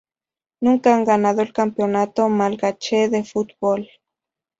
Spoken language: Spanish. Nunca han ganado el Campeonato malgache de fútbol.